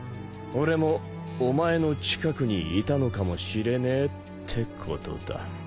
俺もお前の近くにいたのかもしれねえってことだ。